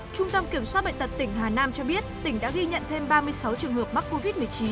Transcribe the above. trung tâm kiểm soát bệnh tật tỉnh hà nam cho biết tỉnh đã ghi nhận thêm ba mươi sáu trường hợp mắc covid một mươi chín